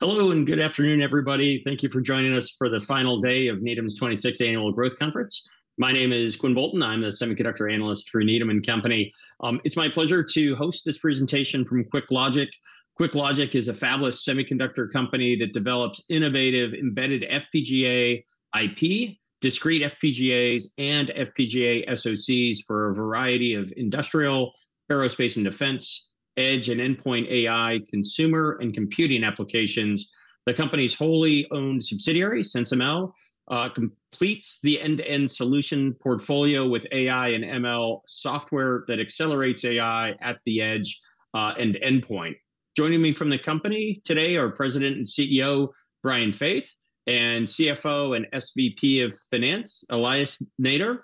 Hello, and good afternoon, everybody. Thank you for joining us for the final day of Needham's twenty-sixth Annual Growth Conference. My name is Quinn Bolton. I'm the semiconductor analyst for Needham & Company. It's my pleasure to host this presentation from QuickLogic. QuickLogic is a fabless semiconductor company that develops innovative embedded FPGA IP, discrete FPGAs, and FPGA SoCs for a variety of industrial, aerospace and defense, edge and endpoint AI, consumer, and computing applications. The company's wholly owned subsidiary, SensiML, completes the end-to-end solution portfolio with AI and ML software that accelerates AI at the edge, and endpoint. Joining me from the company today are President and CEO, Brian Faith, and CFO and SVP of Finance, Elias Nader.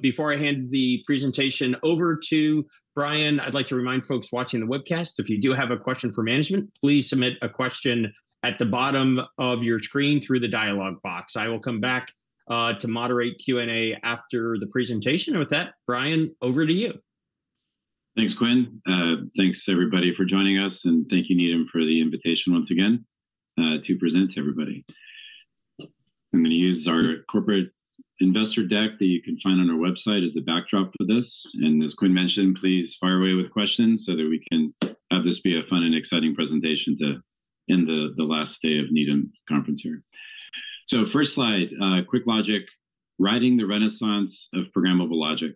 Before I hand the presentation over to Brian, I'd like to remind folks watching the webcast, if you do have a question for management, please submit a question at the bottom of your screen through the dialogue box. I will come back to moderate Q&A after the presentation. And with that, Brian, over to you. Thanks, Quinn. Thanks, everybody, for joining us, and thank you, Needham, for the invitation once again to present to everybody. I'm gonna use our corporate investor deck that you can find on our website as a backdrop for this. As Quinn mentioned, please fire away with questions so that we can have this be a fun and exciting presentation to end the last day of Needham conference here. So first slide, QuickLogic, Riding the Renaissance of Programmable Logic.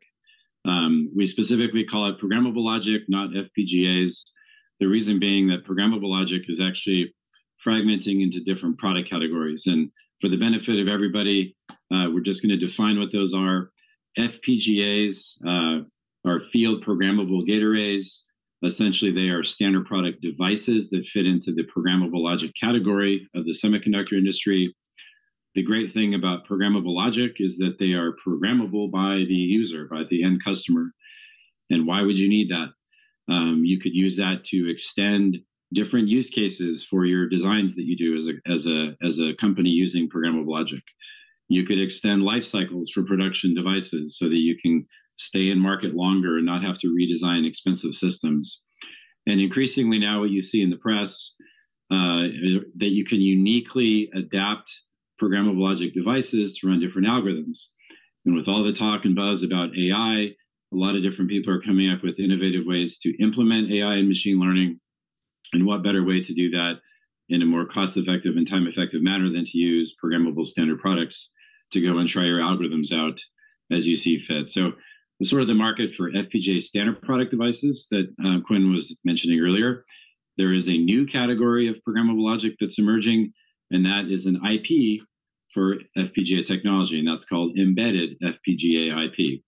We specifically call it programmable logic, not FPGAs, the reason being that programmable logic is actually fragmenting into different product categories. For the benefit of everybody, we're just gonna define what those are. FPGAs are field programmable gate arrays. Essentially, they are standard product devices that fit into the programmable logic category of the semiconductor industry. The great thing about programmable logic is that they are programmable by the user, by the end customer. Why would you need that? You could use that to extend different use cases for your designs that you do as a company using programmable logic. You could extend life cycles for production devices so that you can stay in market longer and not have to redesign expensive systems. Increasingly, now what you see in the press is that you can uniquely adapt programmable logic devices to run different algorithms. With all the talk and buzz about AI, a lot of different people are coming up with innovative ways to implement AI and machine learning, and what better way to do that in a more cost-effective and time-effective manner than to use programmable standard products to go and try your algorithms out as you see fit? So the sort of market for FPGA standard product devices that Quinn was mentioning earlier, there is a new category of programmable logic that's emerging, and that is an IP for FPGA technology, and that's called embedded FPGA IP.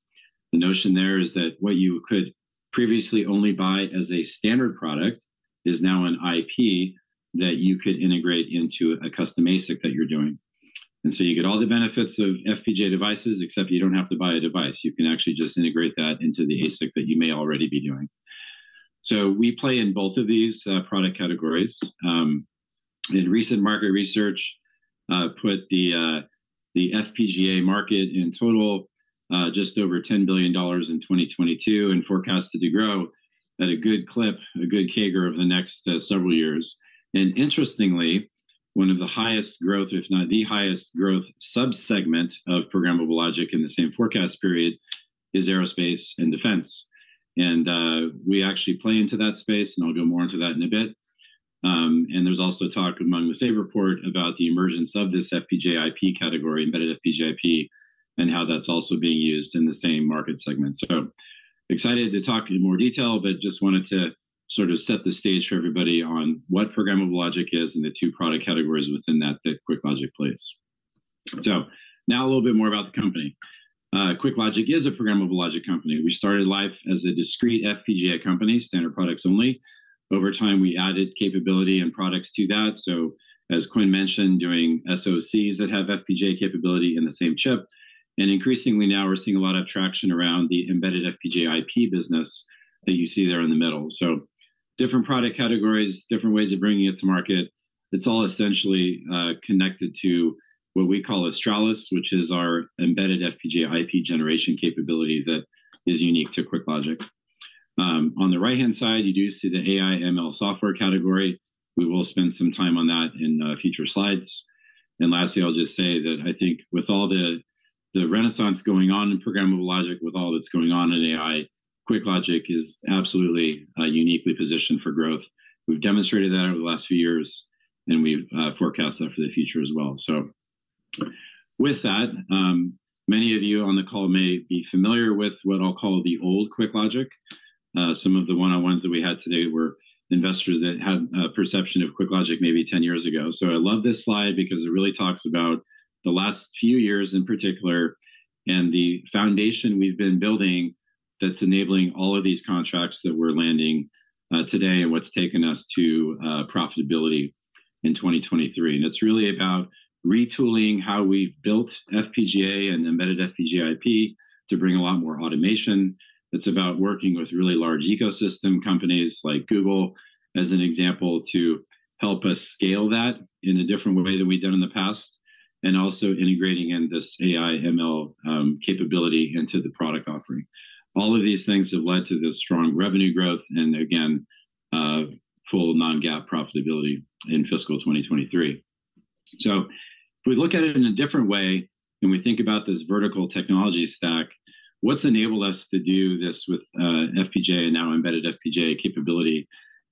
The notion there is that what you could previously only buy as a standard product is now an IP that you could integrate into a custom ASIC that you're doing. And so you get all the benefits of FPGA devices, except you don't have to buy a device. You can actually just integrate that into the ASIC that you may already be doing. So we play in both of these product categories. And recent market research put the FPGA market in total just over $10 billion in 2022, and forecasted to grow at a good clip, a good CAGR over the next several years. And interestingly, one of the highest growth, if not the highest growth, sub-segment of programmable logic in the same forecast period is aerospace and defense. And we actually play into that space, and I'll go more into that in a bit. And there's also talk among the same report about the emergence of this FPGA IP category, embedded FPGA IP, and how that's also being used in the same market segment. So excited to talk in more detail, but just wanted to sort of set the stage for everybody on what programmable logic is and the two product categories within that, that QuickLogic plays. So now a little bit more about the company. QuickLogic is a programmable logic company. We started life as a discrete FPGA company, standard products only. Over time, we added capability and products to that, so as Quinn mentioned, doing SoCs that have FPGA capability in the same chip. And increasingly now we're seeing a lot of traction around the embedded FPGA IP business that you see there in the middle. So different product categories, different ways of bringing it to market. It's all essentially connected to what we call Australis, which is our embedded FPGA IP generation capability that is unique to QuickLogic. On the right-hand side, you do see the AI/ML software category. We will spend some time on that in future slides. And lastly, I'll just say that I think with all the renaissance going on in programmable logic, with all that's going on in AI, QuickLogic is absolutely uniquely positioned for growth. We've demonstrated that over the last few years, and we've forecast that for the future as well. So with that, many of you on the call may be familiar with what I'll call the old QuickLogic. Some of the one-on-ones that we had today were investors that had a perception of QuickLogic maybe 10 years ago. So I love this slide because it really talks about the last few years in particular, and the foundation we've been building that's enabling all of these contracts that we're landing today and what's taken us to profitability in 2023. It's really about retooling how we've built FPGA and embedded FPGA IP to bring a lot more automation. It's about working with really large ecosystem companies like Google, as an example, to help us scale that in a different way than we've done in the past, and also integrating in this AI/ML capability into the product offering. All of these things have led to the strong revenue growth and again, full non-GAAP profitability in fiscal 2023. If we look at it in a different way, and we think about this vertical technology stack, what's enabled us to do this with FPGA and now embedded FPGA capability?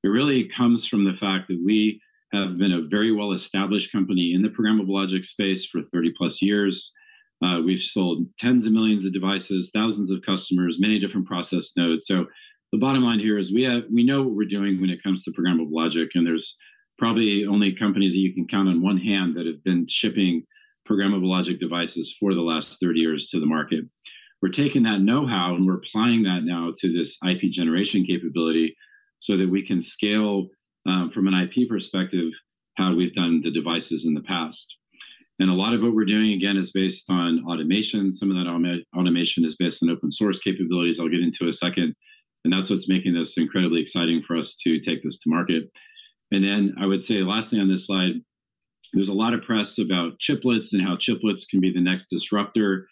It really comes from the fact that we have been a very well-established company in the programmable logic space for 30-plus years. We've sold tens of millions of devices, thousands of customers, many different process nodes. The bottom line here is we have we know what we're doing when it comes to programmable logic, and there's probably only companies that you can count on one hand that have been shipping programmable logic devices for the last 30 years to the market. We're taking that know-how, and we're applying that now to this IP generation capability, so that we can scale from an IP perspective, how we've done the devices in the past. And a lot of what we're doing, again, is based on automation. Some of that automation is based on open source capabilities I'll get into in a second, and that's what's making this incredibly exciting for us to take this to market. And then I would say lastly on this slide, there's a lot of press about chiplets and how chiplets can be the next disruptor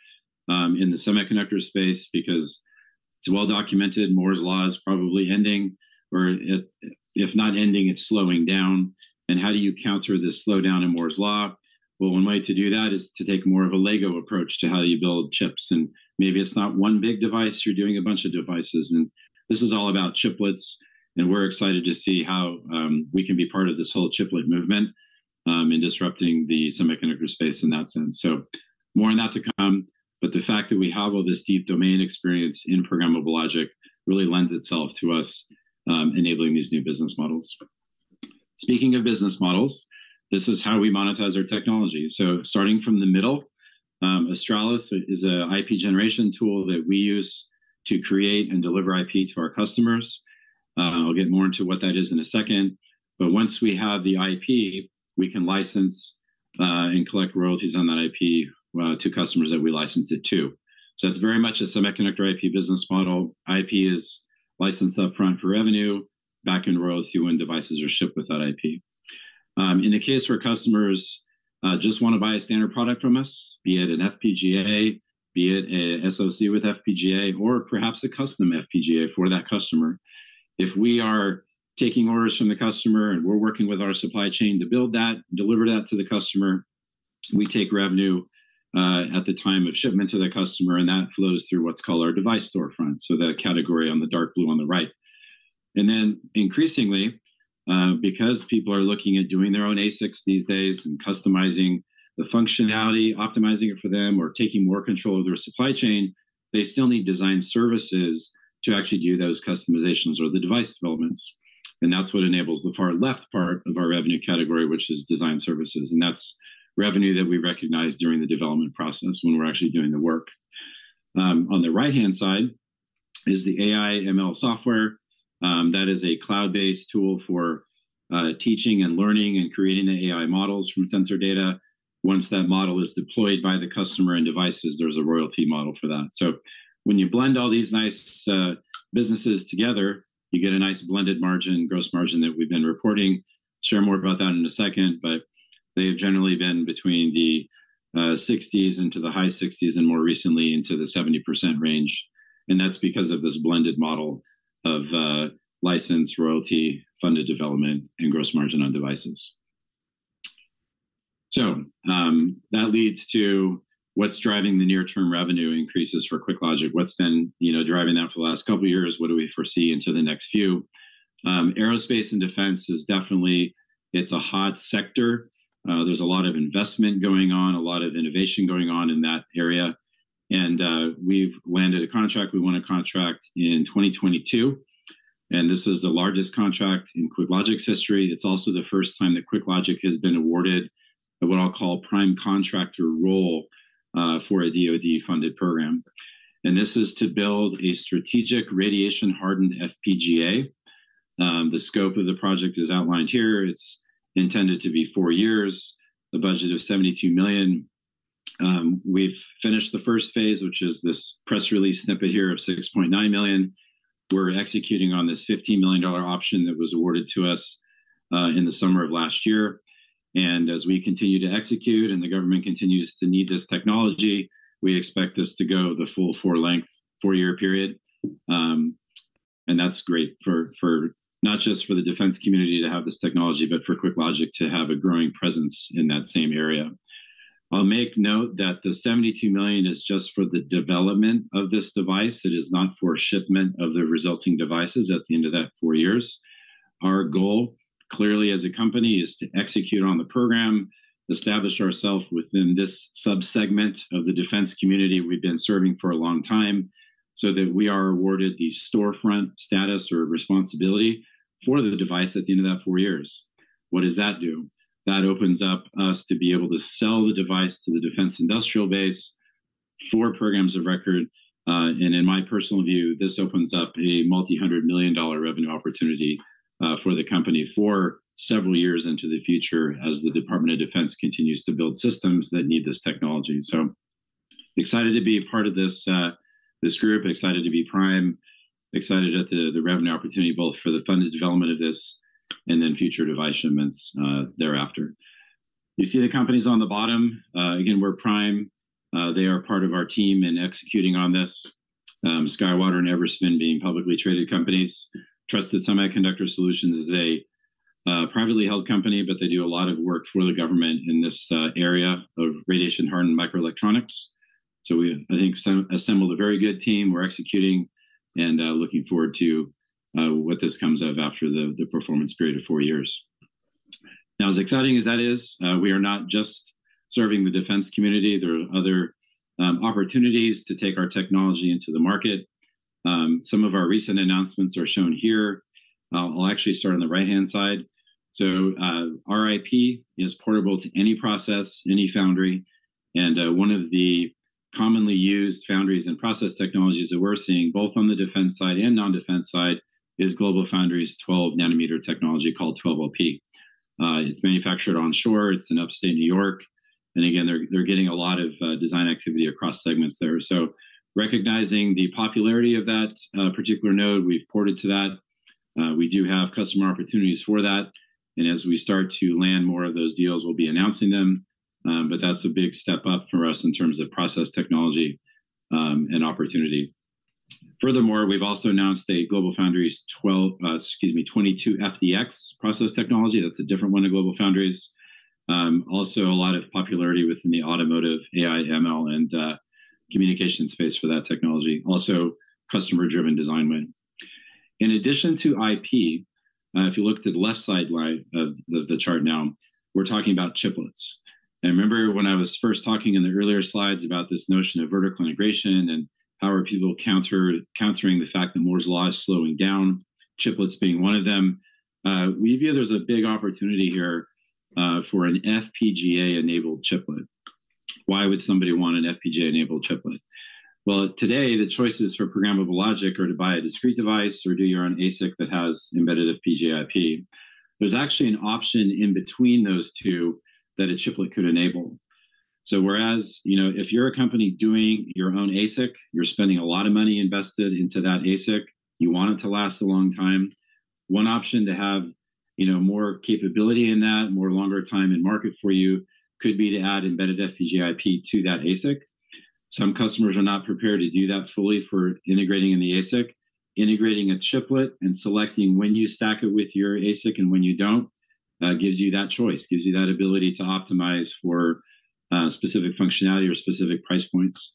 in the semiconductor space, because it's well documented, Moore's Law is probably ending, or it, if not ending, it's slowing down. And how do you counter this slowdown in Moore's Law? Well, one way to do that is to take more of a Lego approach to how you build chips, and maybe it's not one big device, you're doing a bunch of devices. This is all about chiplets, and we're excited to see how we can be part of this whole chiplet movement in disrupting the semiconductor space in that sense. So more on that to come, but the fact that we have all this deep domain experience in programmable logic really lends itself to us enabling these new business models. Speaking of business models, this is how we monetize our technology. So starting from the middle, Auroras is an IP generation tool that we use to create and deliver IP to our customers. I'll get more into what that is in a second. But once we have the IP, we can license and collect royalties on that IP to customers that we license it to. So it's very much a semiconductor IP business model. IP is licensed upfront for revenue, back-end royalty when devices are shipped with that IP. In the case where customers just want to buy a standard product from us, be it an FPGA, be it a SoC with FPGA, or perhaps a custom FPGA for that customer, if we are taking orders from the customer, and we're working with our supply chain to build that, deliver that to the customer, we take revenue at the time of shipment to the customer, and that flows through what's called our device storefront, so that category on the dark blue on the right. And then increasingly, because people are looking at doing their own ASICs these days and customizing the functionality, optimizing it for them or taking more control of their supply chain, they still need design services to actually do those customizations or the device developments. And that's what enables the far left part of our revenue category, which is design services, and that's revenue that we recognize during the development process when we're actually doing the work. On the right-hand side is the AI/ML software. That is a cloud-based tool for teaching and learning and creating the AI models from sensor data. Once that model is deployed by the customer and devices, there's a royalty model for that. So when you blend all these nice businesses together, you get a nice blended margin, gross margin that we've been reporting. Share more about that in a second, but they've generally been between the 60s into the high 60s, and more recently into the 70% range. And that's because of this blended model of license, royalty, funded development, and gross margin on devices. So, that leads to what's driving the near-term revenue increases for QuickLogic. What's been, you know, driving that for the last couple of years? What do we foresee into the next few? Aerospace and defense is definitely, it's a hot sector. There's a lot of investment going on, a lot of innovation going on in that area, and, we've landed a contract. We won a contract in 2022, and this is the largest contract in QuickLogic's history. It's also the first time that QuickLogic has been awarded what I'll call prime contractor role, for a DoD-funded program. And this is to build a strategic radiation-hardened FPGA. The scope of the project is outlined here. It's intended to be 4 years, a budget of $72 million. We've finished the first phase, which is this press release snippet here of $6.9 million. We're executing on this $50 million option that was awarded to us in the summer of last year. As we continue to execute and the government continues to need this technology, we expect this to go the full 4 length, 4-year period. And that's great for, for not just for the defense community to have this technology, but for QuickLogic to have a growing presence in that same area. I'll make note that the $72 million is just for the development of this device. It is not for shipment of the resulting devices at the end of that 4 years. Our goal, clearly, as a company, is to execute on the program, establish ourselves within this subsegment of the defense community we've been serving for a long time, so that we are awarded the storefront status or responsibility for the device at the end of that four years. What does that do? That opens up us to be able to sell the device to the defense industrial base for programs of record. And in my personal view, this opens up a $multi-hundred million revenue opportunity, for the company for several years into the future as the Department of Defense continues to build systems that need this technology. So excited to be a part of this, this group, excited to be prime, excited at the, the revenue opportunity, both for the funded development of this and then future device shipments, thereafter. You see the companies on the bottom. Again, we're prime. They are part of our team in executing on this. SkyWater and Everspin being publicly traded companies. Trusted Semiconductor Solutions is a privately held company, but they do a lot of work for the government in this area of radiation-hardened microelectronics. So we, I think, assembled a very good team. We're executing and looking forward to what this comes out of after the performance period of four years. Now, as exciting as that is, we are not just serving the defense community, there are other opportunities to take our technology into the market. Some of our recent announcements are shown here. I'll actually start on the right-hand side. So, our IP is portable to any process, any foundry, and one of the commonly used foundries and process technologies that we're seeing, both on the defense side and non-defense side, is GlobalFoundries' 12-nanometer technology called 12LP. It's manufactured onshore, it's in upstate New York, and again, they're getting a lot of design activity across segments there. So recognizing the popularity of that particular node, we've ported to that. We do have customer opportunities for that, and as we start to land more of those deals, we'll be announcing them. But that's a big step up for us in terms of process technology and opportunity. Furthermore, we've also announced a GlobalFoundries, excuse me, 22FDX process technology, that's a different one too, GlobalFoundries. Also a lot of popularity within the automotive, AI, ML, and communication space for that technology. Also, customer-driven design win. In addition to IP, if you look to the left side line of the chart now, we're talking about chiplets. And remember when I was first talking in the earlier slides about this notion of vertical integration and how are people countering the fact that Moore's Law is slowing down, chiplets being one of them, we view there's a big opportunity here for an FPGA-enabled chiplet. Why would somebody want an FPGA-enabled chiplet? Well, today, the choices for programmable logic are to buy a discrete device or do your own ASIC that has embedded FPGA IP. There's actually an option in between those two that a chiplet could enable. So whereas, you know, if you're a company doing your own ASIC, you're spending a lot of money invested into that ASIC, you want it to last a long time. One option to have, you know, more capability in that, more longer time in market for you, could be to add embedded FPGA IP to that ASIC. Some customers are not prepared to do that fully for integrating in the ASIC. Integrating a chiplet and selecting when you stack it with your ASIC and when you don't, gives you that choice, gives you that ability to optimize for, specific functionality or specific price points.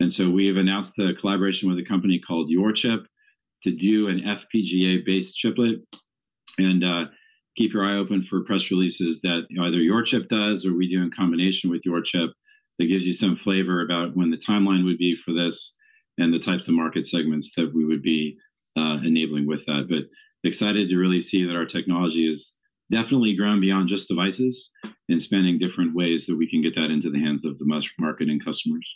And so we have announced a collaboration with a company called YorChip to do an FPGA-based chiplet. Keep your eye open for press releases that, you know, either YorChip does or we do in combination with YorChip, that gives you some flavor about when the timeline would be for this and the types of market segments that we would be, enabling with that. But excited to really see that our technology is definitely grown beyond just devices, and spanning different ways that we can get that into the hands of the much marketing customers.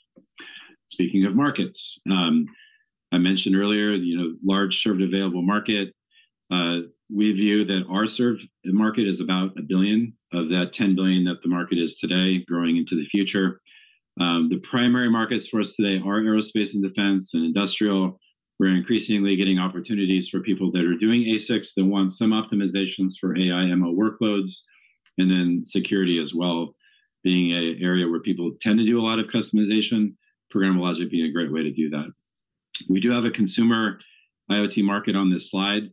Speaking of markets, I mentioned earlier, you know, large served available market. We view that our served market is about $1 billion of that $10 billion that the market is today, growing into the future. The primary markets for us today are aerospace and defense, and industrial. We're increasingly getting opportunities for people that are doing ASICs, that want some optimizations for AI/ML workloads, and then security as well, being an area where people tend to do a lot of customization, programmable logic being a great way to do that. We do have a consumer IoT market on this slide.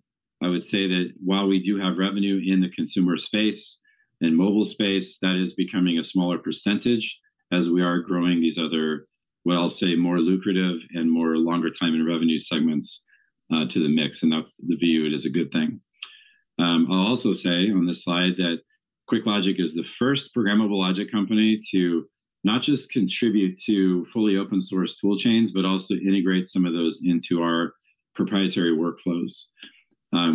I would say that while we do have revenue in the consumer space and mobile space, that is becoming a smaller percentage as we are growing these other, what I'll say, more lucrative and more longer time in revenue segments, to the mix, and that's the view, it is a good thing. I'll also say on this slide that QuickLogic is the first programmable logic company to not just contribute to fully open-source tool chains, but also integrate some of those into our proprietary workflows.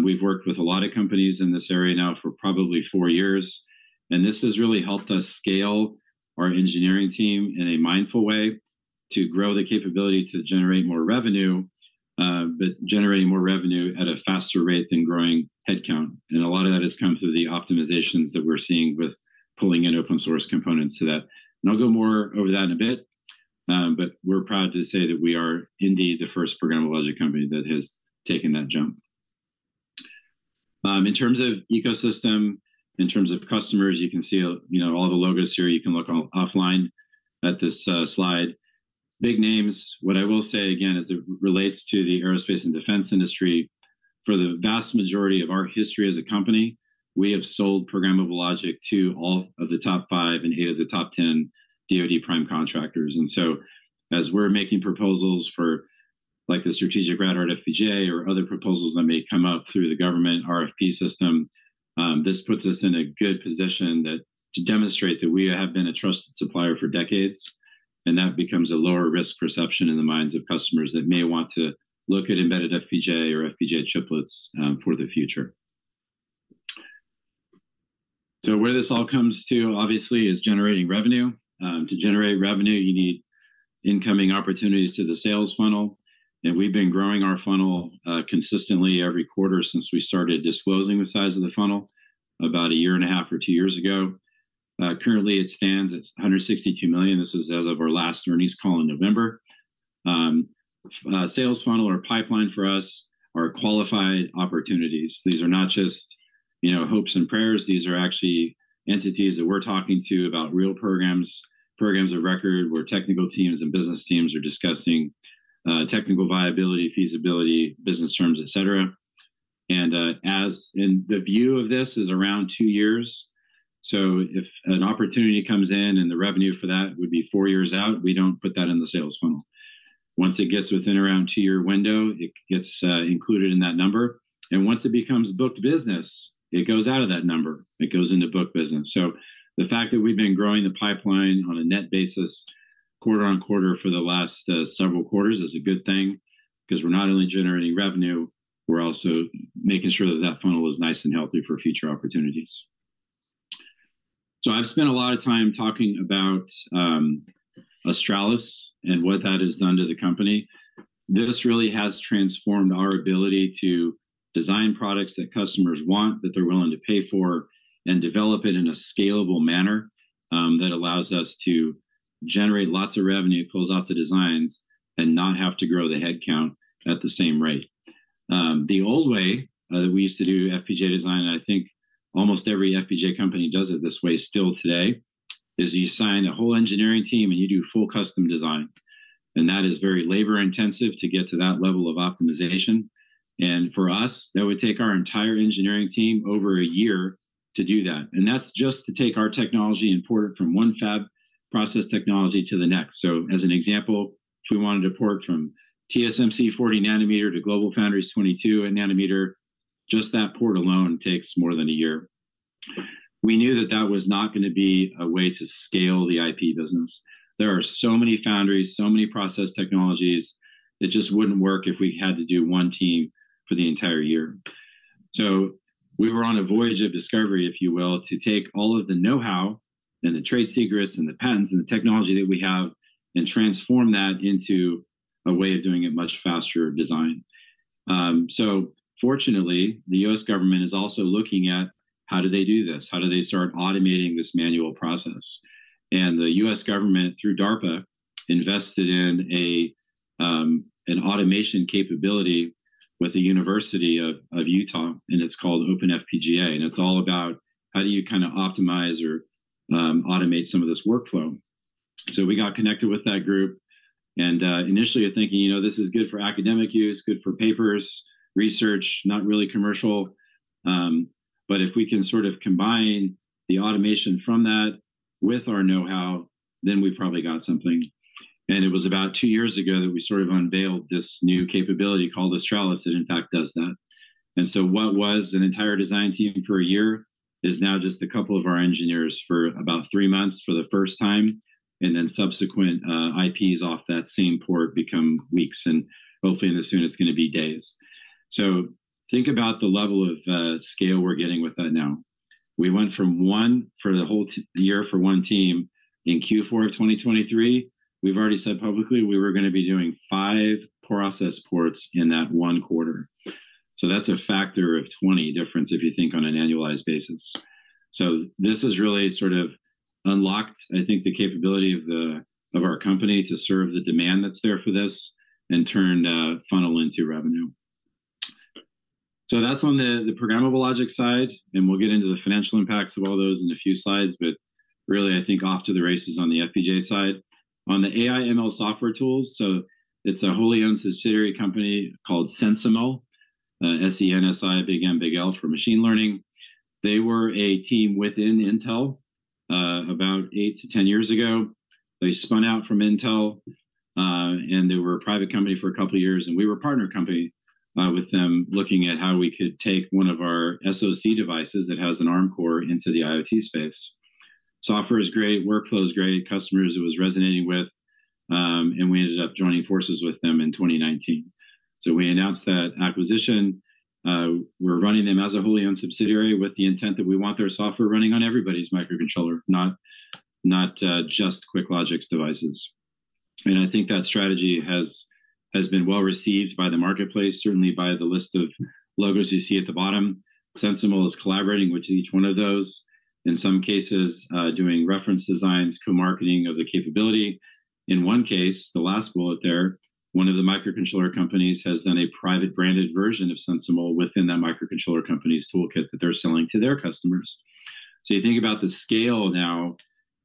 We've worked with a lot of companies in this area now for probably four years, and this has really helped us scale our engineering team in a mindful way to grow the capability to generate more revenue, but generating more revenue at a faster rate than growing headcount. A lot of that has come through the optimizations that we're seeing with pulling in open-source components to that. I'll go more over that in a bit, but we're proud to say that we are indeed the first programmable logic company that has taken that jump. In terms of ecosystem, in terms of customers, you can see, you know, all the logos here, you can look offline at this slide. Big names. What I will say again, as it relates to the aerospace and defense industry, for the vast majority of our history as a company, we have sold programmable logic to all of the top five and eight of the top ten DoD prime contractors. And so as we're making proposals for, like, the strategic rad-hard FPGA or other proposals that may come up through the government RFP system, this puts us in a good position to demonstrate that we have been a trusted supplier for decades, and that becomes a lower risk perception in the minds of customers that may want to look at embedded FPGA or FPGA chiplets for the future. So where this all comes to, obviously, is generating revenue. To generate revenue, you need incoming opportunities to the sales funnel, and we've been growing our funnel consistently every quarter since we started disclosing the size of the funnel about a year and a half or two years ago. Currently, it stands at $162 million. This is as of our last earnings call in November. Sales funnel or pipeline for us are qualified opportunities. These are not just, you know, hopes and prayers. These are actually entities that we're talking to about real programs, programs of record, where technical teams and business teams are discussing technical viability, feasibility, business terms, et cetera. And as in the view of this is around two years, so if an opportunity comes in and the revenue for that would be four years out, we don't put that in the sales funnel. Once it gets within around two-year window, it gets included in that number, and once it becomes booked business, it goes out of that number, it goes into booked business. So the fact that we've been growing the pipeline on a net basis, quarter on quarter for the last several quarters, is a good thing, 'cause we're not only generating revenue, we're also making sure that that funnel is nice and healthy for future opportunities. So I've spent a lot of time talking about Auroras and what that has done to the company. This really has transformed our ability to design products that customers want, that they're willing to pay for, and develop it in a scalable manner that allows us to generate lots of revenue, close out the designs, and not have to grow the headcount at the same rate. The old way, that we used to do FPGA design, and I think almost every FPGA company does it this way still today, is you assign a whole engineering team, and you do full custom design, and that is very labor-intensive to get to that level of optimization. And for us, that would take our entire engineering team over a year to do that, and that's just to take our technology and port it from one fab process technology to the next. So as an example, if we wanted to port from TSMC 40 nanometer to GlobalFoundries 22 nanometer, just that port alone takes more than a year. We knew that that was not gonna be a way to scale the IP business. There are so many foundries, so many process technologies, it just wouldn't work if we had to do one team for the entire year. So we were on a voyage of discovery, if you will, to take all of the know-how, and the trade secrets, and the patents, and the technology that we have, and transform that into a way of doing a much faster design. So fortunately, the U.S. government is also looking at how do they do this? How do they start automating this manual process? And the U.S. government, through DARPA, invested in an automation capability with the University of Utah, and it's called OpenFPGA. And it's all about how do you kinda optimize or automate some of this workflow. So we got connected with that group, and initially thinking, you know, this is good for academic use, good for papers, research, not really commercial. But if we can sort of combine the automation from that with our know-how, then we've probably got something. It was about two years ago that we sort of unveiled this new capability called Auroras, that in fact does that. So what was an entire design team for a year, is now just a couple of our engineers for about three months for the first time, and then subsequent IPs off that same port become weeks, and hopefully, and as soon it's gonna be days. So think about the level of scale we're getting with that now. We went from one for the whole year for one team. In Q4 of 2023, we've already said publicly we were gonna be doing five process ports in that one quarter. So that's a factor of 20 difference, if you think on an annualized basis. So this has really sort of unlocked, I think, the capability of our company to serve the demand that's there for this and turn the funnel into revenue. So that's on the programmable logic side, and we'll get into the financial impacts of all those in a few slides, but really, I think off to the races on the FPGA side. On the AI/ML software tools, so it's a wholly-owned subsidiary company called SensiML, S-E-N-S-I, big M, big L for machine learning. They were a team within Intel about 8-10 years ago. They spun out from Intel and they were a private company for a couple of years, and we were a partner company with them, looking at how we could take one of our SoC devices that has an Arm core into the IoT space. Software is great, workflow is great, customers it was resonating with, and we ended up joining forces with them in 2019. So we announced that acquisition. We're running them as a wholly-owned subsidiary with the intent that we want their software running on everybody's microcontroller, not, not just QuickLogic's devices. And I think that strategy has, has been well-received by the marketplace, certainly by the list of logos you see at the bottom. SensiML is collaborating with each one of those, in some cases, doing reference designs, co-marketing of the capability. In one case, the last bullet there, one of the microcontroller companies has done a private branded version of SensiML within that microcontroller company's toolkit that they're selling to their customers. So you think about the scale now,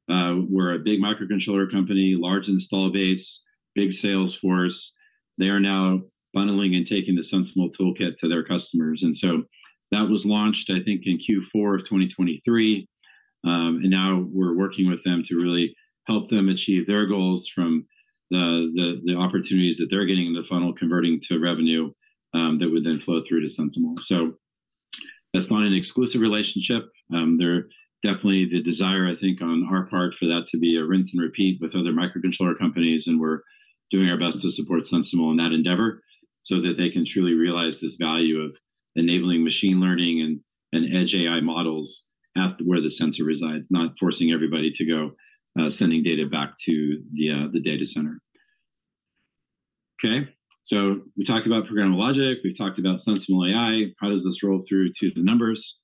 we're a big microcontroller company, large install base, big sales force. They are now bundling and taking the SensiML toolkit to their customers. And so that was launched, I think, in Q4 of 2023, and now we're working with them to really help them achieve their goals from the opportunities that they're getting in the funnel, converting to revenue, that would then flow through to SensiML. So that's not an exclusive relationship. There definitely the desire, I think, on our part, for that to be a rinse and repeat with other microcontroller companies, and we're doing our best to support SensiML in that endeavor so that they can truly realize this value of enabling machine learning and edge AI models at where the sensor resides, not forcing everybody to go, sending data back to the data center. Okay, so we talked about programmable logic, we've talked about SensiML AI. How does this roll through to the numbers?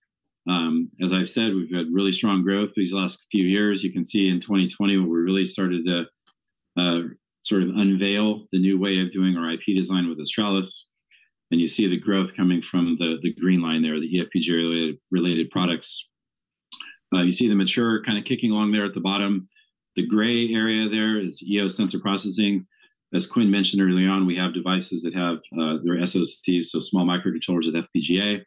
As I've said, we've had really strong growth these last few years. You can see in 2020, when we really started to sort of unveil the new way of doing our IP design with Auroras, and you see the growth coming from the green line there, the eFPGA-related products. You see the mature kind of kicking along there at the bottom. The gray area there is EOS sensor processing. As Quinn mentioned early on, we have devices that have their SoCs, so small microcontrollers with FPGA.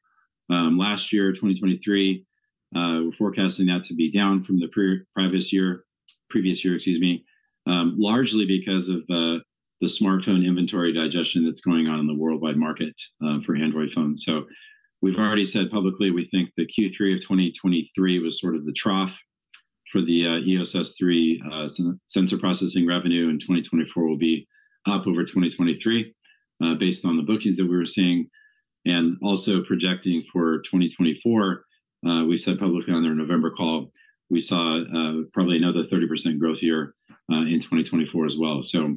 Last year, 2023, we're forecasting that to be down from the previous year, excuse me, largely because of the smartphone inventory digestion that's going on in the worldwide market for Android phones. So we've already said publicly, we think that Q3 of 2023 was sort of the trough for the EOS S3 sensor processing revenue, and 2024 will be up over 2023 based on the bookings that we were seeing. And also projecting for 2024, we said publicly on our November call, we saw probably another 30% growth here in 2024 as well. So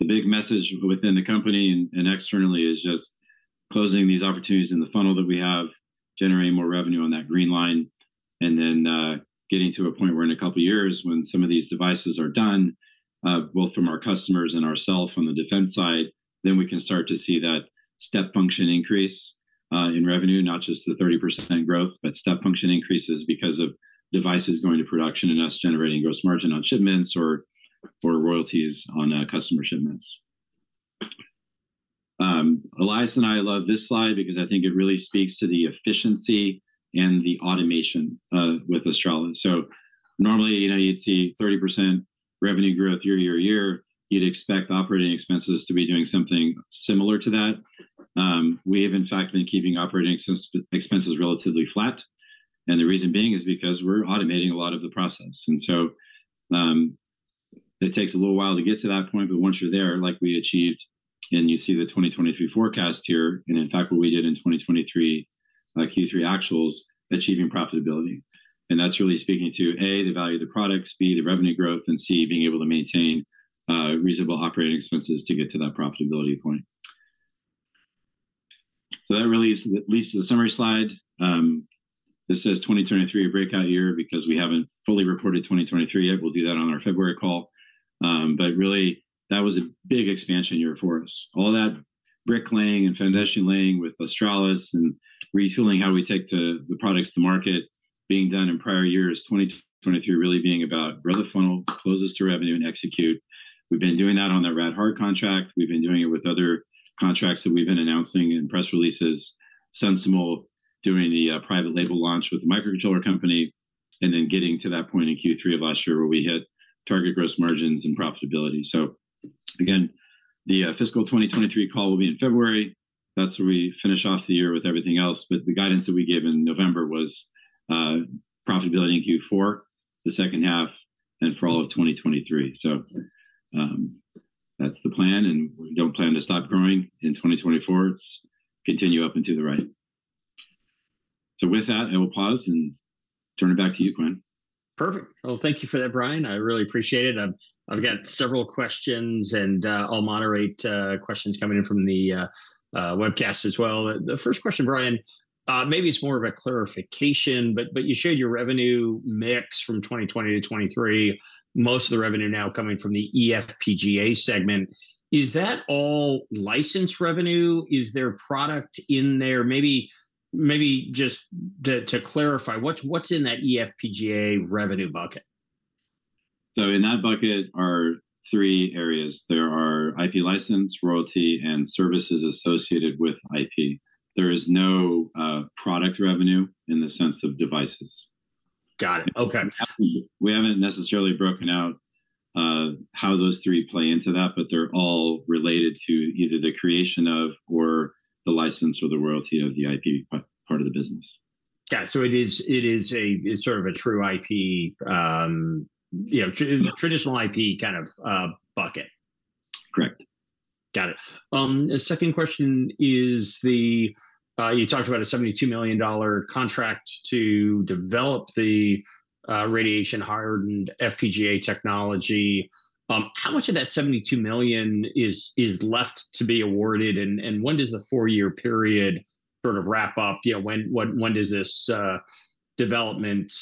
the big message within the company and, and externally is just closing these opportunities in the funnel that we have, generating more revenue on that green line, and then, getting to a point where in a couple of years, when some of these devices are done, both from our customers and ourselves from the defense side, then we can start to see that step function increase, in revenue, not just the 30% growth. But step function increases because of devices going to production and us generating gross margin on shipments or, or royalties on, customer shipments. Elias and I love this slide because I think it really speaks to the efficiency and the automation, with Auroras. So normally, you know, you'd see 30% revenue growth year-over-year, you'd expect operating expenses to be doing something similar to that. We have in fact been keeping operating expenses relatively flat, and the reason being is because we're automating a lot of the process. And so, it takes a little while to get to that point, but once you're there, like we achieved, and you see the 2023 forecast here, and in fact, what we did in 2023, like Q3 actuals, achieving profitability. And that's really speaking to A, the value of the products, B, the revenue growth, and C, being able to maintain reasonable operating expenses to get to that profitability point. So that really is at least the summary slide. This says 2023 breakout year because we haven't fully reported 2023 yet. We'll do that on our February call. But really, that was a big expansion year for us. All that bricklaying and foundation laying with Auroras and retooling how we take to the products to market being done in prior years, 2023 really being about grow the funnel, close us to revenue, and execute. We've been doing that on the Rad-Hard contract. We've been doing it with other contracts that we've been announcing in press releases, SensiML, doing the private label launch with the microcontroller company, and then getting to that point in Q3 of last year, where we hit target gross margins and profitability. So again, the fiscal 2023 call will be in February. That's where we finish off the year with everything else, but the guidance that we gave in November was profitability in Q4, the second half, and for all of 2023. So that's the plan, and we don't plan to stop growing in 2024. It's continuing up and to the right. So with that, I will pause and turn it back to you, Quinn. Perfect. Well, thank you for that, Brian. I really appreciate it. I've got several questions, and I'll moderate questions coming in from the webcast as well. The first question, Brian, maybe it's more of a clarification, but you shared your revenue mix from 2020 to 2023. Most of the revenue now coming from the eFPGA segment. Is that all licensed revenue? Is there product in there? Maybe just to clarify, what's in that eFPGA revenue bucket? So in that bucket are three areas. There are IP license, royalty, and services associated with IP. There is no product revenue in the sense of devices. Got it. Okay. We haven't necessarily broken out how those three play into that, but they're all related to either the creation of or the license or the royalty of the IP part of the business. Got it. So it is a sort of true IP, you know, traditional IP kind of bucket. Correct. Got it. The second question is, you talked about a $72 million contract to develop the radiation hardened FPGA technology. How much of that $72 million is left to be awarded, and when does the four-year period sort of wrap up? You know, when, what, when does this development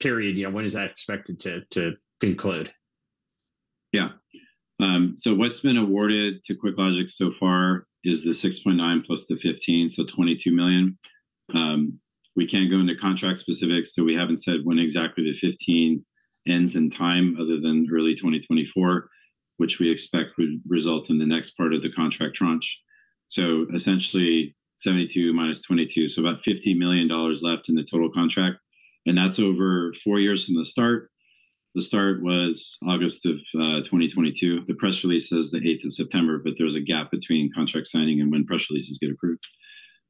period, you know, when is that expected to conclude? Yeah. So what's been awarded to QuickLogic so far is the $6.9 million plus the $15 million, so $22 million. We can't go into contract specifics, so we haven't said when exactly the $15 million ends in time, other than early 2024, which we expect would result in the next part of the contract tranche. So essentially, 72 minus 22, so about $50 million left in the total contract, and that's over four years from the start. The start was August of 2022. The press release says the eighth of September, but there's a gap between contract signing and when press releases get approved.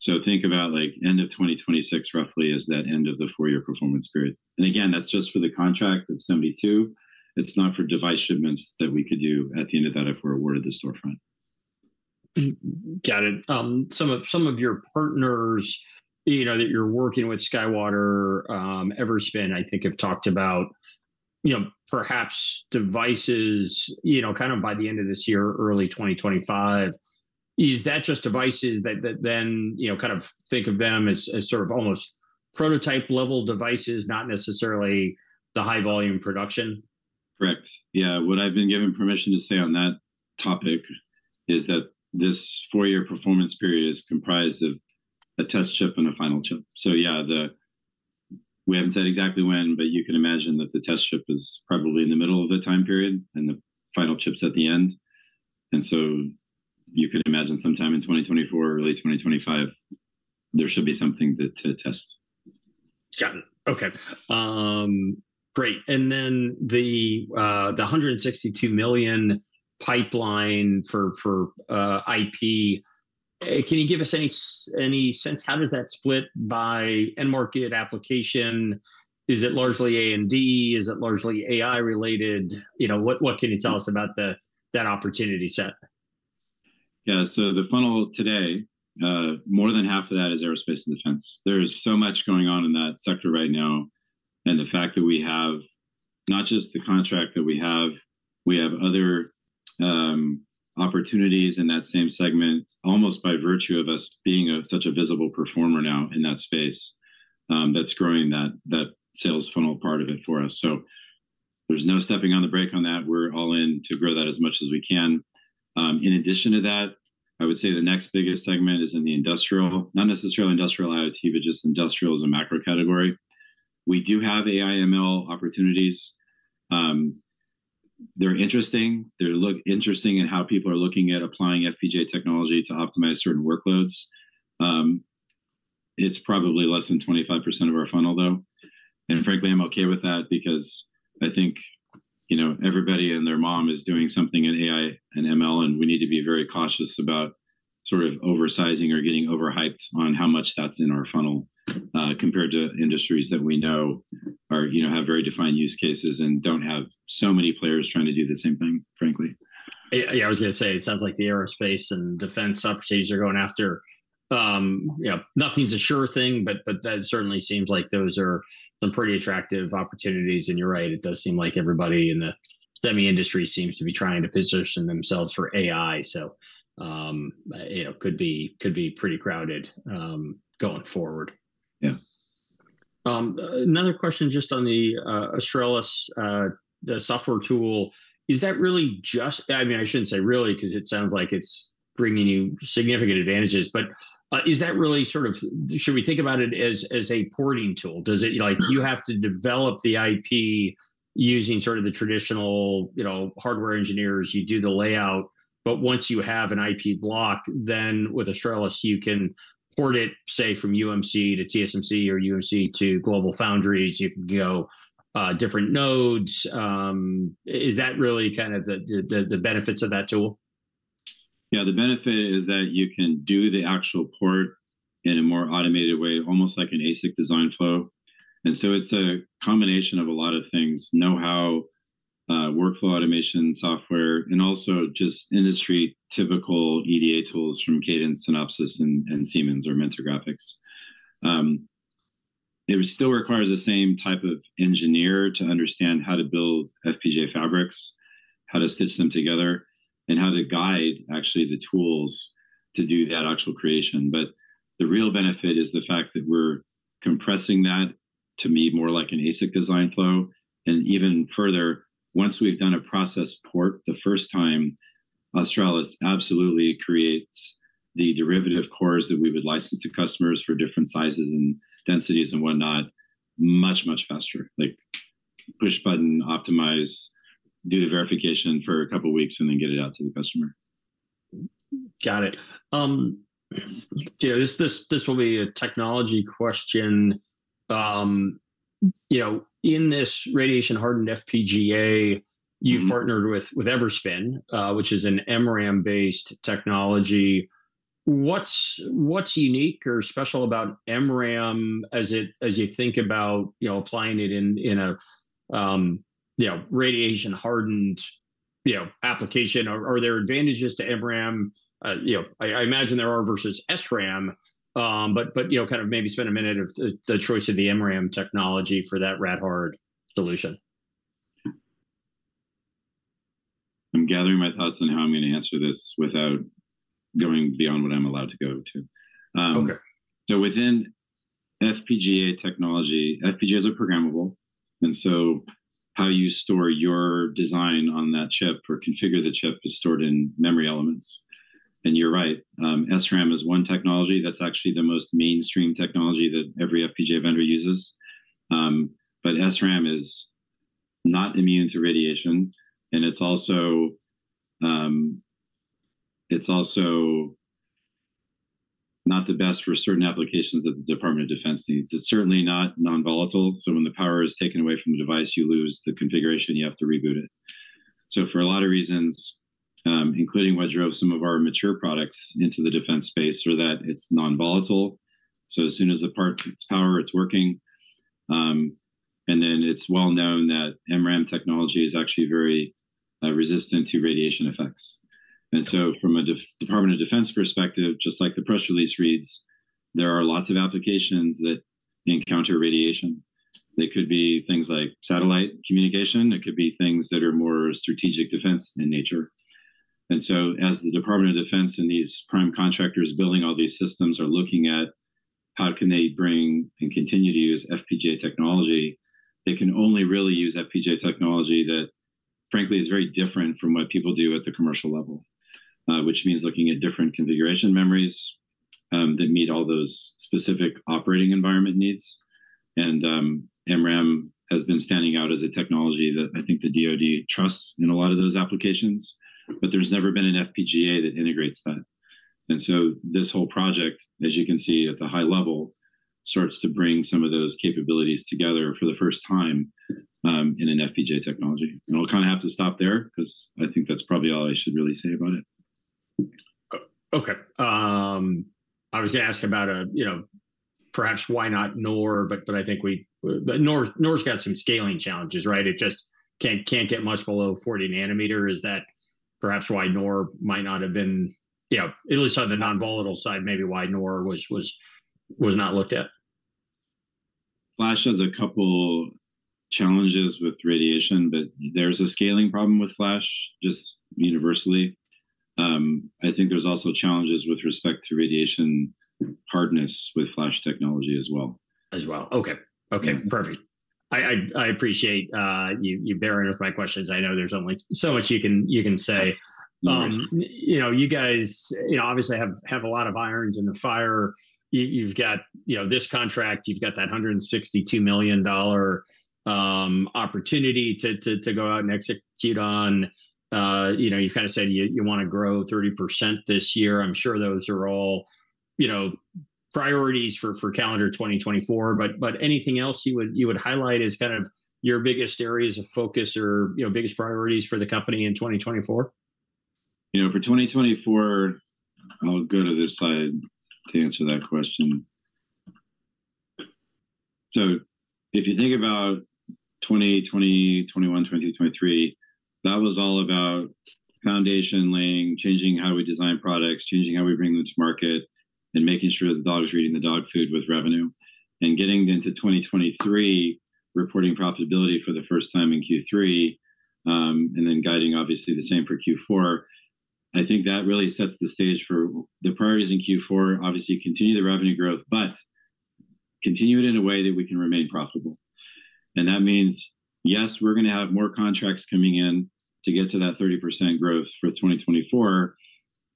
So think about, like, end of 2026, roughly, is that end of the four-year performance period. And again, that's just for the contract of $72 million. It's not for device shipments that we could do at the end of that, if we're awarded the storefront. Got it. Some of your partners, you know, that you're working with, SkyWater, Everspin, I think, have talked about, you know, perhaps devices, you know, kind of by the end of this year, early 2025. Is that just devices that then, you know, kind of think of them as sort of almost prototype level devices, not necessarily the high-volume production? Correct. Yeah, what I've been given permission to say on that topic is that this four-year performance period is comprised of a test chip and a final chip. So yeah, we haven't said exactly when, but you can imagine that the test chip is probably in the middle of the time period, and the final chip's at the end. And so you could imagine sometime in 2024, early 2025, there should be something to, to test. Got it. Okay. Great, and then the $162 million pipeline for IP, can you give us any sense how does that split by end market application? Is it largely AMD? Is it largely AI related? You know, what can you tell us about that opportunity set? Yeah, so the funnel today, more than half of that is aerospace and defense. There is so much going on in that sector right now, and the fact that we have not just the contract that we have, we have other opportunities in that same segment, almost by virtue of us being such a visible performer now in that space, that's growing that sales funnel part of it for us. So there's no stepping on the brake on that. We're all in to grow that as much as we can. In addition to that, I would say the next biggest segment is in the industrial, not necessarily industrial IoT, but just industrial as a macro category. We do have AI, ML opportunities. They're interesting in how people are looking at applying FPGA technology to optimize certain workloads. It's probably less than 25% of our funnel, though, and frankly, I'm okay with that because I think, you know, everybody and their mom is doing something in AI and ML, and we need to be very cautious about sort of oversizing or getting overhyped on how much that's in our funnel, compared to industries that we know are, you know, have very defined use cases and don't have so many players trying to do the same thing, frankly. Yeah, yeah, I was gonna say, it sounds like the aerospace and defense opportunities you're going after. You know, nothing's a sure thing, but that certainly seems like those are some pretty attractive opportunities. And you're right, it does seem like everybody in the semi industry seems to be trying to position themselves for AI, so, you know, could be, could be pretty crowded going forward. Yeah. Another question just on the Auroras, the software tool. Is that really just... I mean, I shouldn't say really, 'cause it sounds like it's bringing you significant advantages, but, is that really sort of - should we think about it as, as a porting tool? Does it- Mm-hmm.... like, you have to develop the IP using sort of the traditional, you know, hardware engineers, you do the layout, but once you have an IP block, then with Auroras, you can port it, say, from UMC to TSMC or UMC to GlobalFoundries, you can go, different nodes. Is that really kind of the benefits of that tool? Yeah, the benefit is that you can do the actual port in a more automated way, almost like an ASIC design flow. And so it's a combination of a lot of things: know-how, workflow automation software, and also just industry typical EDA tools from Cadence, Synopsys, and Siemens or Mentor Graphics. It still requires the same type of engineer to understand how to build FPGA fabrics, how to stitch them together, and how to guide actually the tools to do that actual creation. But the real benefit is the fact that we're compressing that, to me, more like an ASIC design flow. And even further, once we've done a process port, the first time Auroras absolutely creates the derivative cores that we would license to customers for different sizes and densities and whatnot, much, much faster. Like, push button, optimize, do the verification for a couple of weeks, and then get it out to the customer. Got it. Yeah, this will be a technology question. You know, in this radiation-hardened FPGA- Mm-hmm... you've partnered with Everspin, which is an MRAM-based technology. What's unique or special about MRAM as you think about, you know, applying it in a, you know, radiation-hardened application? Are there advantages to MRAM? You know, I imagine there are versus SRAM. But, you know, kind of maybe spend a minute of the choice of the MRAM technology for that rad-hard solution. I'm gathering my thoughts on how I'm gonna answer this without going beyond what I'm allowed to go to. Okay. So within FPGA technology, FPGAs are programmable, and so how you store your design on that chip or configure the chip is stored in memory elements. And you're right, SRAM is one technology that's actually the most mainstream technology that every FPGA vendor uses. But SRAM is not immune to radiation, and it's also, it's also not the best for certain applications that the Department of Defense needs. It's certainly not non-volatile, so when the power is taken away from the device, you lose the configuration, you have to reboot it. So for a lot of reasons, including what drove some of our mature products into the defense space, are that it's non-volatile, so as soon as the part, it's power, it's working. And then it's well known that MRAM technology is actually very resistant to radiation effects. From a Department of Defense perspective, just like the press release reads, there are lots of applications that encounter radiation. They could be things like satellite communication. It could be things that are more strategic defense in nature. As the Department of Defense and these prime contractors building all these systems are looking at how can they bring and continue to use FPGA technology, they can only really use FPGA technology that, frankly, is very different from what people do at the commercial level. Which means looking at different configuration memories that meet all those specific operating environment needs. MRAM has been standing out as a technology that I think the DOD trusts in a lot of those applications, but there's never been an FPGA that integrates that. And so this whole project, as you can see at the high level, starts to bring some of those capabilities together for the first time, in an FPGA technology. And I'll kinda have to stop there, 'cause I think that's probably all I should really say about it. Okay. I was gonna ask about, you know, perhaps why not NOR? But NOR, NOR's got some scaling challenges, right? It just can't get much below 40 nanometer. Is that perhaps why NOR might not have been, you know, at least on the non-volatile side, maybe why NOR was not looked at? Flash has a couple challenges with radiation, but there's a scaling problem with flash, just universally. I think there's also challenges with respect to radiation hardness with flash technology as well. As well, okay. Yeah. Okay, perfect. I appreciate you bearing with my questions. I know there's only so much you can say. Yeah. You know, you guys, you know, obviously have, have a lot of irons in the fire. You, you've got, you know, this contract, you've got that $162 million opportunity to, to, to go out and execute on. You know, you've kinda said you, you wanna grow 30% this year. I'm sure those are all, you know, priorities for, for calendar 2024, but, but anything else you would, you would highlight as kind of your biggest areas of focus or, you know, biggest priorities for the company in 2024? You know, for 2024, I'll go to this slide to answer that question. So if you think about 2021, 2023, that was all about foundation laying, changing how we design products, changing how we bring them to market, and making sure that the dog is eating the dog food with revenue. And getting into 2023, reporting profitability for the first time in Q3, and then guiding, obviously, the same for Q4, I think that really sets the stage for... The priorities in Q4, obviously, continue the revenue growth, but continue it in a way that we can remain profitable. And that means, yes, we're gonna have more contracts coming in to get to that 30% growth for 2024,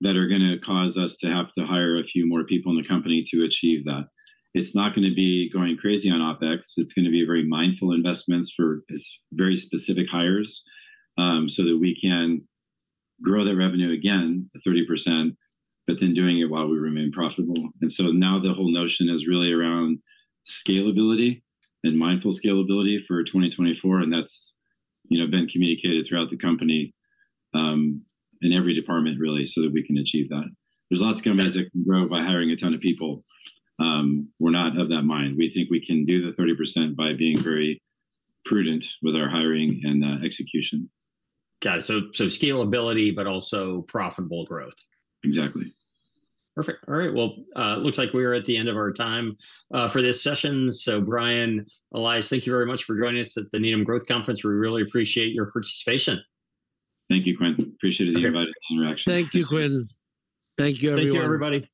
that are gonna cause us to have to hire a few more people in the company to achieve that. It's not gonna be going crazy on OpEx, it's gonna be very mindful investments for its very specific hires, so that we can grow the revenue again, at 30%, but then doing it while we remain profitable. And so now the whole notion is really around scalability and mindful scalability for 2024, and that's, you know, been communicated throughout the company, in every department, really, so that we can achieve that. There's lots of companies that can grow by hiring a ton of people, we're not of that mind. We think we can do the 30% by being very prudent with our hiring and execution. Got it. So, scalability, but also profitable growth? Exactly. Perfect. All right, well, looks like we're at the end of our time, for this session. So Brian, Elias, thank you very much for joining us at the Needham Growth Conference. We really appreciate your participation. Thank you, Quinn. Appreciate it, invited interaction. Thank you, Quinn. Thank you, everyone. Thank you, everybody.